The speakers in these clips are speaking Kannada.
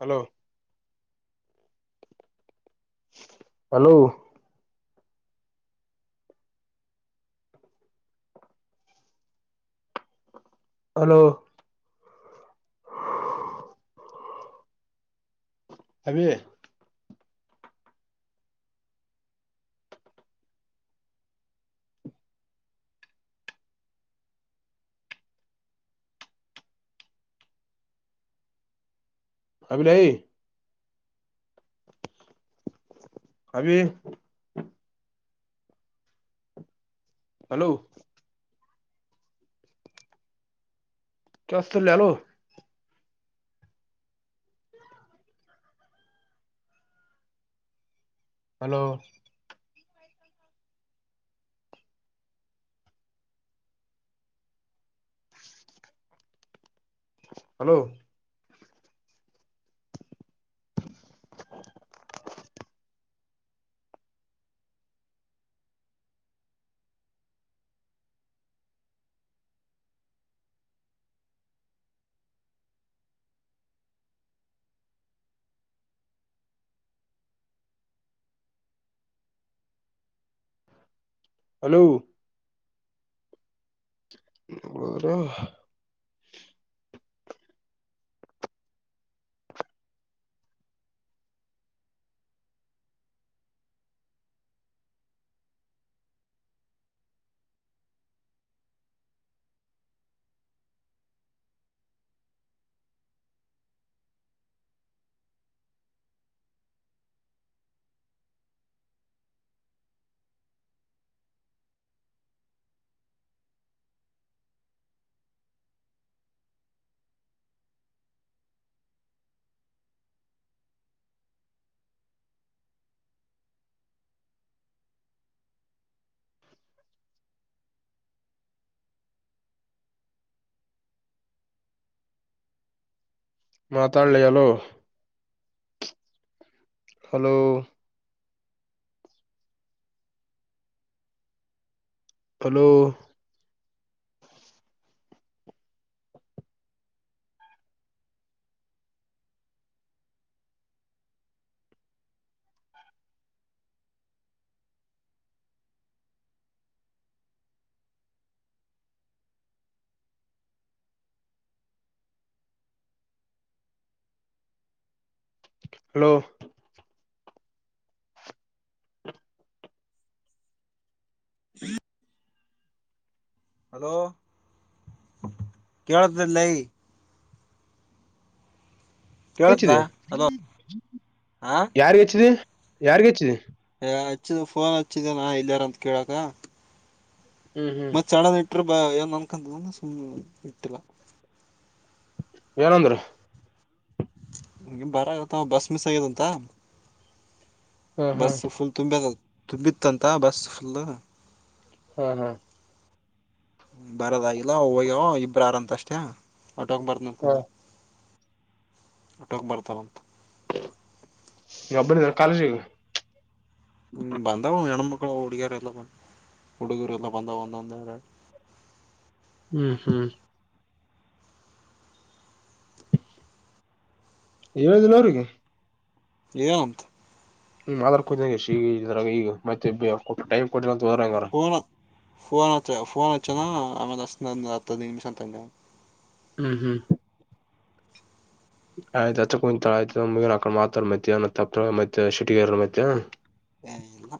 ಹಲೋ ಹಲೋ ಹಲೋ ಅಾವಿ ಅಭಲೇ ಅಬಿ ಹಲೋ ಕೆಷ್ಟತ ಲಲೋ ಹಲೋ ಹಲೋ ಹಲೋ ಹಲೋ ಮಾತಾಡ್ಲಿ ಅಲೋ ಹಲೋ ಹಲೋ ಹಲೋ ಹ್ಮ ಹಲೋ ಕೇಳತಲ್ಲೈ ಕೇಳತದ ಹೆಚ್ಚಿದೆ ಅಲೋ ಹಾ ಯಾರ್ ಹೆಚ್ಚಿದಿ ಯಾರ್ಗೆ ಹೆಚ್ಚಿದಿ ಹಚ್ಚಿದ ಫೋನ್ ಹಚ್ಚಿದೆನಾ ಇಲ್ಲಯಾರ ಅಂತ ಕೇಳಕ ಹ್ಮ್ ಹ್ಮ್ ಹತ್ರ ಬ ಏನ್ ಅನ್ಕಂತ ಸು್ ಇರ್ತಿಿಲ್ಲ ಏನಂದ್ರ ನಿಗೆ ಬಾರ ಆಗತ್ತ ಬಸ್ ಮಿಸ್ ಆಗ್ಯದಂತ ಹಾ ಹಾ ಬಸ್ಸ ಫುಲ್ ತುಂಬ್ಯದಂತ ತುಂಬಿತ್ತಂತ ಬಸ್ ಫುಲ್ ಹಾ ಹಾ ಬರೋದಾಗಿಲ್ಲ ಹೋಗ್ಯವ ಇಬ್ಬ್ರ ಯಾರಂತ ಅಷ್ಟೇ ಆಟೋೋಗ ಹಾ ಬರ್ತನಕಂಗ ಅಟಕ್ ಬರ್ತಂಥ ಯಾಬ್ಬ ಕಾಕಲಿಲ ಹ್ಮ್ ಬಂದವ ಹೆಣಮಕ ಹುಡುಗಿಯಾರ ಎಲ್ಲ ಬಂದ ಹುಡುಗಿಯರೆ ಎಲ್ಲ ಬಂದ ಒಂದ ಒಂದರ ಹ್ಮ್ ಹ್ಮ್ ಏಳ ದಿನವರಿಗೆ ಯೆನ್ ಅಂತ ಹ್ಮ ಮಾ ಕು ಈಗ ಈಗ ಮತ್ತೆ ಟೈ್ ಕೊಟ್ಟಂತ ಹೋದ್ರ ಹೆಂಗಾರ ಫೋನ್ ಫೋನ್ ಹಚ್ಚ ಫೋನ್ ಹಚ್ಚ ಅಂದನ್ ಆಮ್ಯಾಲ ಹಚ್ಚ್ಟೆ ಹತ್ ಹದಿನೈ ನಿಮಿಷ ಆಂದನ್ ಹ್ಮ್ ಹ್ಮ್ ಆಯ್ತತ್ ಅಚ್ಚ ಕುಾ ಆಯ್ತಗ ಆಕ ಮಾತ ಮತ್ತ ಮತ್ತೆ ಸಿಟಗ ಮತ್ತೆ ಏ ಇಲ್ಲ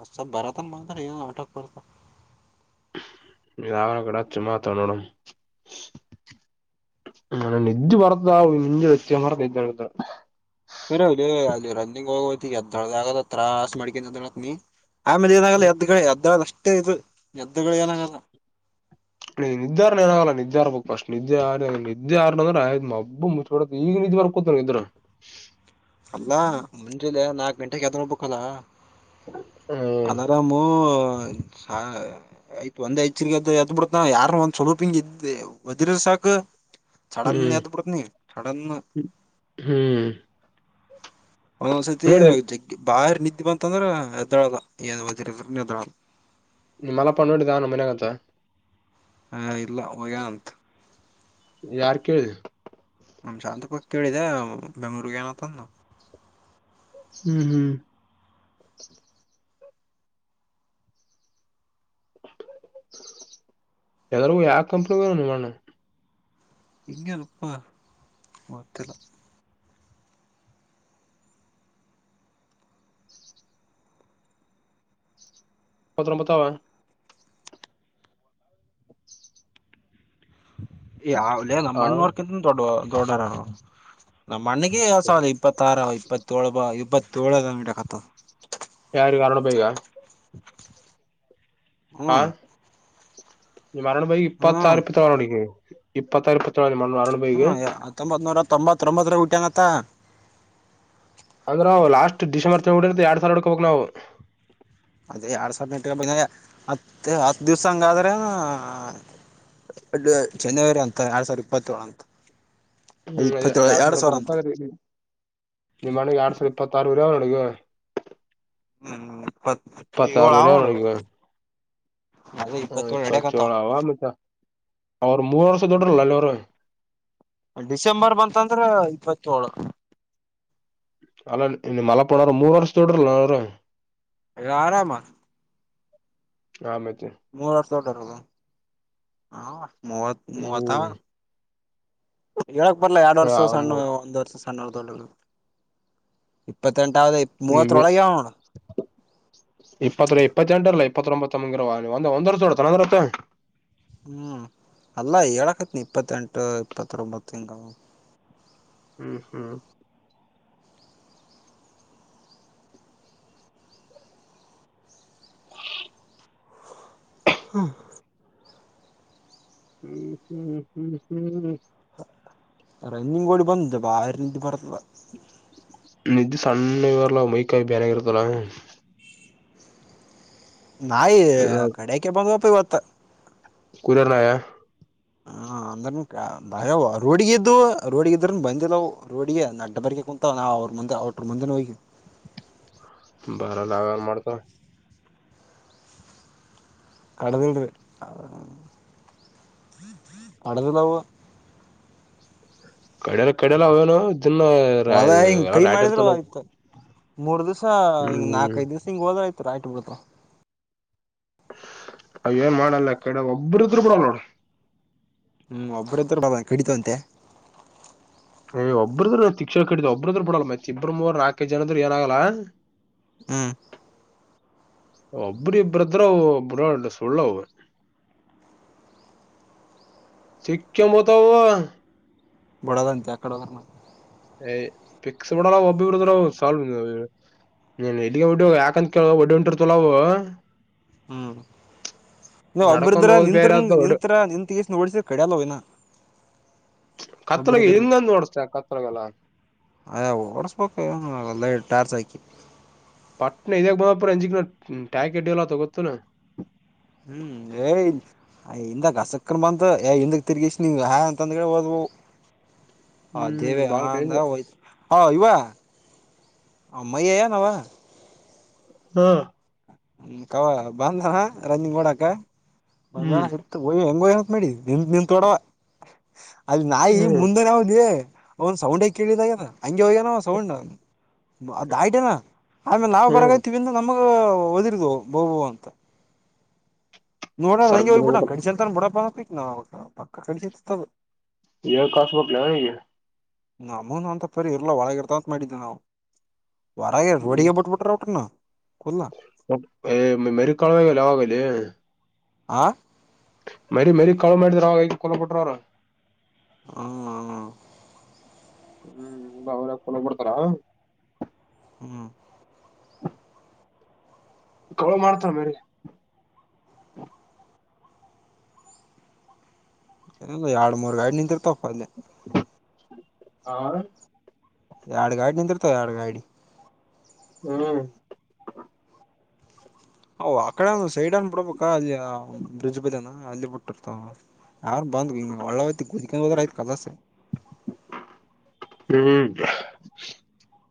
ಅಷ್ಟ ಬರತ್ತ ಮಾಡ್ರ ಏ ಆಟೋಕ್ ಬರ್ತನ ಾವ ಕಡಾಚು ಮಾ ತಣೋಡ ನ ನಜು ಬರದ ನಿಂಜು ವಚ್ಚ ಮರ್ದತ ಅ ಅಲ್ಲಿ ರನ್ನಿಂಗ್ ಹೋಗ ಎದ್ದೊಳ ಆಗದ ತ್ರಾಸ್ ಮಾಡ್ಕನ್ ನೀ ಆ್ಯಾಮಿಲಿ ಏನಾಗಲ್ಲ ಎದ್ದುಗಳ ಎದ್ದದ ಅಷ್ಟೇ ಇದು ಎದ್ದುಗಳ ಏನಾಗಲ್ಲ ನೀ ನಿದ್ದೆಾರ್ ನಾಗಲ್ಲ ನಿದ್ದೆಾರ್ಬೇಕಕ್ಫಸ್ಟ್ ನಿದ್ದೆ ನಿದ್ದೆಾರ್ನ್ಂದ್ರ ಆಯ್ ಮಬ್ಬ ಮುಚ್ ಕೊಡ ಈಗ ಇ ಬಾರ ಕೊತನ ಇದದುರ ಅಲ್ಲಾ ಮುಂಜಿಲ್ಲ ನಾಕ್ ಗಂಟೆಗೆ ಯ್ದೋ್ ಬಬೇಕಕ್ಲ್ಲಾ ಹ್ಮ್ ಅದಾರಾಮು ಆಯ್ತ್ ಒಂದ್ ಹೆಚ್ಚ ಎದ್ ಬಿಿಡ್ತ ಯಾರ ಒಂದ್ ಸ್ವಲಪ ಹಿಂಗ ಇದದಿ ಹ್ಮ್ ಡನ್ದು ಪತ್ ನೀ ಚ ಹ್ಮ್ ಮಸತಿ ನೋಡಿದೆ ಬಾರಿ ನಿದ್ದೆ ಬಂತಂದ್ರ ಎದ್ದಳಲ್ಲ ಏನ್ ಮದರ್ರ ಎದ್ದಳಲ್ಲ ನಿಮ್ಮಲ್ಲ ಪಣ ನೋಡಿದ್ದ ನಮ್ಮ ಮನ ಆಗತ್ತ ಹಾ ಇಲ್ಲ ಮಗ ಅಂತ ಯಾರ್ು ಕೇಳಿದೆ ನಮ ಶಾಂತಪಕ್ ಕೇಳಿದೆ ಬೆಂಗ್ಳೂರ್ಗ ಏನತಂದ ಹ್ಮ್ ಹ್ಮ್ ಎಲ್ಲ ಆ ಕಂಪನ ಬ ನಿ ಮಾಡ ಇಂಗ ಅಪ್ಪ ಮೊತ್ತಲ್ಲ ಪತ್ರರಂಬತ್ತಾವ ಯಾವಲೇ ನ ಹಾ ಮಣ್ಣವರ್ಕಿಂತ ದೊಡ್ಡ ದೊಡ್ಡರ ನಮ್ಮ ಮನೆಗೆಸ ಇಪ್ಪತ್ತಾರ ಇಪ್ಪತ್ತೋಳ್ ಬ ಇಪ್ಪತ್ತಏೇಳಂಗತ ಯಾರು ಕಾರಣ ಬೈಗಾ ಹ್ಮ್ ನಿ ಮರಣ ಬೈ ಹ್ಮ್ ಇಪ್ಪತ್ತರ ಇಪ್ಪತ್ತೊಳ ನಡಗೆ ಇಪ್ಪತ್ತಾರರ ಇಪ್ಪತ್ತೊಳ ಹ್ಮ್ ಹತ್ತೊಂಬತ್ ನೂರ ತೊಂಬತ್ತೊಂಬತ್ತರ ಹಟಂಗತ್ತ ಅಂದ್ರವು ಲಾಸ್ಟ್ ಡಿಸೆಂಬರ್ ತಿಂಗ್ಳ ಹೊಡ ಎರಡ್ ಸಾವಿರ ಹಕ ಹಬೇಕಕ್ ನಾವು ಅದೇ ಎರಡ್ ಸಾವಿರದ ನ ಎಂಟ ಬೆ ಹತ್ತ ಹತ್ತು ದಿವ್ಸ ಹಂಗಾದ್ರೆನು ಎ ಜನವರಿ ಅಂತ ಎರಡ್ ಸಾವಿರ ಇಪ್ಪತ್ತ ೇಳು ಅಂತ ಹ್ಮ್ ಎರಡ್ ಸಾವಿರ ಅಡ್ಕಬಂದ್ರ ನಿಮ್ಮಣ ಎರಡ್ ಸಾವಿರ ಇಪ್ಪತ್ತಾರ ಅ ಹ್ಮ್ ಇಪ್ಪತ್ತ ಏಳ ಆಾರಪೇರ ಅವ ಅಡ ನೋಡು ಅದೇ ಇಪ್ಪತ್ತೇಳು ಹತ ಚಳ ನಡ್ಯಕಂತಾವ ಆ ಮಜಾ ಮೂರು ವರ್ಷ ತಡರಲ್ಲ ಅಲ್ಲ ಅವರ ಡಿಸೆಂಬರ್ ಬಂತಂದ್ರೆ ಇಪ್ಪತ್ತೇಳೇಳು ಅಲ್ಲ ಮ ಪನ ಮೂರು ವರ್ಷ ತೊಟ್ರಲ್ಲ ನ ಅದು ಆರಾಮಾ ಆ ಮತ್ತೆ ವರ್ಷ ಹ ಮೂವತ್ ಮೂವತ್ತ ಹ್ಮ್ ಹೇಳಕ್ ಬರ್ಲ ಎರಡು ವರ್ಷ ಆ ಸಣ್ಣ ಮೂರ್ ಒಂದ್ ವರ್ಷ ಸಣ್ಣೊಡ್ ಇಪ್ಪತ್ತು ನಿಮ ಇಪ್ಪತ್ತು ಇಪ್ಪತ್ತಟಲ್ಲ ಇಪ್ಪತ್ತೊಂಬತ್ತ ತಮಂಗಿರವಂದ ಒಂದ್ ವರ್ಷೋತ ಅಂದ್ರತ್ತೆ ಹ್ಮ್ ಅಲ್ಲ ಹೇಳಕತ್ನಿ ಇಪ್ಪತ್ತೆಂಟು ಇಪ್ಪತ್ತೊಂಬತ್ಂಗ ಹ್ಮ ಹ್ಮ ಹ್ಮ ಹ್ಮ್ ಹ್ಮ್ ಹ್ಮ್ ಹ್ಮ್ ಹ್ಮ ರನ್ನಿಂಗ್ ೋಳಿ ಬಂದ ಬಾರ ನಿಿದ್ದ ಬರ್ತಲ ನಿಜ ಸಣ್ಣ ಇವರ್ಲ್ಲ ಮೈಕಾಯಿ ಬ್ಯರೆಗರುತರ ನಾಯಿ ಕಡಕ್ಕೆ ಬಂದ್ವಪ್ಪ ಇವತ್ತ ಕುಲರ್ನಾಯ ಹ ಅಂದ್ರ ಭಯ ರೋಡ್ಗ ಇದ್ದು ರೋಡ್ಿಗೆ ಇದ್ರ ಬಂದಿಲ್ಲವು ರೋಡ್ಿಗೆ ಅಡ್ಡ ಬರ್ಕ ಕುೂಂತಾ ಅವ ಮಂೆ ಆಟೋ ಮಂಧನ ಬಾರ ಲಾವ ಮಾಡತ ಕಡದ ಕಡದಲಾವುವ ಕಡಲ ಕಡಲ್ಲ ಅವನು ಇದನ್ನ ಹೊಲ ಹಿಂಗ್ ಎಲ್ಲ ಕೈ ಮಾಡಿದ್ರು ರಡರ್ತಲ್ಲ ಆಯ್ತು ಮೂರ್ ದಿವಸ ಹಿಂಗ ನಾಕ ಐದು ದಿವಸ ಹೋದರ ರಾಟಿ ಬಿಳ್ತಾವ ಅವ ಏನ್ ಮಾಡಲ್ಲ ಕೆಡೆ ಒಬ್ಬರು ಇದ್ರು ಬಿಡಲ್ಲ ನೋಡರೀ ಹ್ಮ್ ಒಬ್ಬತ್ರಡ ಕಡಿತಂತೆ ಒಬ್ಬರದು ತಿಕ್ಷಾಣ ಕಟ್ಟಿದ ಒಬ್ರ್ರ್ ಬಿಡಲ್ ಮತ್ತೆ ಇಬ್ಬ್ರು ನಾಲ್ಕೈ ಜನರು ಏನಾಗಲ್ಲಾ ಹ್ಮ್ ಅಬ್ರ ಇಬ್ರತ್ರ್ರ ಅಬರಾ ಸುಳ್ಳವು ಸಿಕ್ಕಮತವು ಬುಡದ ಅಂತೆ ಅಕಡ ಪಿಕ್ಸ್ ಬಡಲ್ಲವು ಒಬ್ಬರದುರ ಸಾಲ್ವ ನೀನ್ ಇಲ್ಲಿಗ ಒಡ್ಡಿ ಯಾಕಂತ ಕೇಳ ಒಡ್ಡಿ ಹೊಂಟಿರ್ತಲವು ಹ್ಮ್ ನೀ ನಡ್ಕೊಂಡ್ ಒಬ್ರದ್ರ ಹೋಗೋದು ಬೇರೆ ನಿಂತನ್ ಆದ ಒಡ್ ನಿಂತತ್ರ ನಿಂತ ಎಷ್ಟ ನ ಓಡಸ್ರ ಕಡ್ಯಾಲ ಅವ ಇನ್ ಕತ್ತಲಗೆ ಹಿಂದಂದು ನೋಡ್ಸ್ ಕತ್ತಲಗೆಲ್ಲ ಅಯ ಓಡಸ್ಬೇಕ ಲೈಟ್ ಟಾರ್ಚ್ ಹಾಕಿ ಪಟ್ಣ ಇದಾಗ ಬಂದ ಪುರ ಎಂಜಿಕ್ಕನ ಟ್ಯಾಕ್ಡ್ ಎಲ್ಲ ತೊಗೊತುನಾ ಹ್ಮ್ ಏ್ದಕ್ ಹಸಕ್ಕನ್ ಬಂತಏ ಹಿಂದ ತಿರುಗಷ್ಟ ನೀ ಹ ಅಂತ ಅಂದ ಹೋದ್ ಹ್ಮ್ ಅದೇವ ಬಾಳ ಹಾ ಡೇಂಜರ್ ತಾಯ್ ಹ ಇವಾ ಅ ಮೈಯ ಯ ನವಾ ಹ್ಮ ಹ ಕವ ಬಂದನ ರನೀಂಗ್ ಓಡಾಕ ಬಂದನ ಹ್ಮ್ ಸಿಯಿ ಹೆಂಗಯ ಮಾಡಿ ನಿಮ ನಿಮ ತೊಡವ ಅಲ್ಲಿ ನಾಯಿ ಹ್ಮ್ ಮುಂದನೆ ಅವಾ ಅವನ್ ಸೌಂಡ್ ಕೇಳಿದಾಗ್ಯದ ಹಂಗೆ ಹೋಗ್ಯನ ಸೌಂಡ್ ಅದು ಆಯಟೇನಾ ಆಮೇಲೆ ನಾವು ಹ್ಮ್ ಬರಗೈತೀವಿ ಹಿಂದು ನಮಗ ಒದಿರ್ದು ಬೋಬೋ ಅಂತ ನೋಡ ಸರ್ಗ್ ಹಂಗೆೋಗ್ಬ ಬಿಡ ನ ಹೋಗ್ಬೇಕು. ಕಡಿಸಿ ಅತಾನ ಬಿಡ ನ ಪಕ್ಕ ಕಡಿಸಿತ [unintelligible] ನಮೂನು ಅಂತ ಪರಿ ಇರ್ಲ ಒಳಗ ಇರ್ತ ಅಂತ ಮಾಡಿದ್ದೆ ನಾವು ಹೊರಾಗ ರೋಡಿಗೆ ಬ ಬಿಟ್ಬಿಟ್ರೆ ರವಟ್ರನ ಮೆರುಕಳಾಗಲ್ಲ ಆಗಲಿ ಆ ಮರಿ ಮರಿ ಕಾಳ ಮಾಡಿದ್ರ ಅವ ಕೊಲ್ಲ ಪಟ್ರಾರ ಹ್ಮ್ ಹ್ಮ್ ಹ್ಮ್ ಬ ಅವರ ಕುಲಬಿಡ್ತಾರಾ ಹ್ಮ್ [unintelligible] ಕಳ ಮಾಡ್ತಾರ ಮೇರಿ ಇಲ್ಲ ಎರಡ್ ಮೂರು ಗಾಡಿ ನಿಂತಿರ್ತಪ್ಪ ಅದೆ ಆ ಎರಡು ಗಾಡಿ ನಿಂತ್ರತ ಎರಡ ಗಾಡಿ ಹ್ಮ್ ಅ ಆಕಡೆ ಸೈಡ್ ಅನ್ ಬಿಡಬೇಕ ಅಲ್ಲಿ ಬ್ರಿಡ್ಜ್ ಬದನಾ ಅಲ್ಲಿ ಬಿಟ್ಟಿರ್ತಾವ ಯಾರ ಬಂದ್ ಹ ಒಳ್ಳಯ್ತಿ ಕುದಕೊಂಡ ಹದ್ರ ಆಯ್ತ್ ಕಲಾಸೆ. [unintelligible]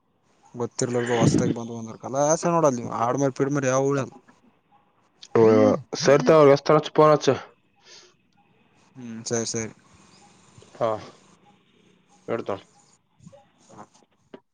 ಗೊತ್ತಿರ್ಲಾರದು ಹೊಸ್ತಾಗ ಬಂದ ಬಂದರ್ಲ್ಲ ಕಲಾಸೆ ನೋಡ ನೀವು ಆಡ್ ಮರಿ ಪಿಡ್ ಮರಿ ಯಾವು ಉಳಿಯಲ್ ಹ ಶರ್ದಾವ [unintelligible] ಫೋನ್ ಹಚ್ ಹ್ಮ್ ಸರಿ ಸರಿ. ಹಾ ಎಡ್ತಣ. [unintelligible]